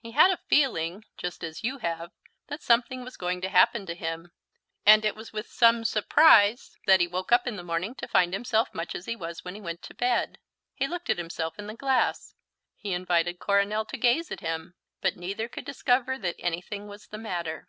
He had a feeling (just as you have) that something was going to happen to him; and it was with some surprise that he woke up in the morning to find himself much as he was when he went to bed. He looked at himself in the glass; he invited Coronel to gaze at him; but neither could discover that anything was the matter.